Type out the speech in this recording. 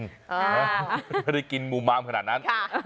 ไม่ได้กินมุมมามขนาดนั้น